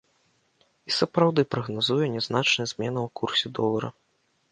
І сапраўды прагназуе нязначныя змены ў курсе долара.